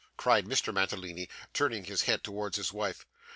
cried Mr. Mantalini, turning his head towards his wife.